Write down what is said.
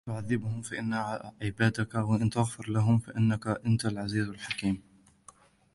إن تعذبهم فإنهم عبادك وإن تغفر لهم فإنك أنت العزيز الحكيم